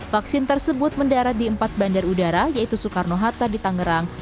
vaksin tersebut mendarat di empat bandar udara yaitu soekarno hatta di tangerang